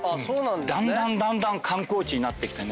だんだんだんだん観光地になってきてね。